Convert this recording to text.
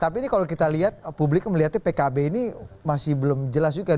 tapi ini kalau kita lihat publik melihatnya pkb ini masih belum jelas juga